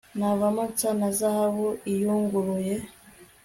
navamo nsa na zahabu iyunguruye